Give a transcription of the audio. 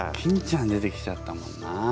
欽ちゃん出てきちゃったもんなあ。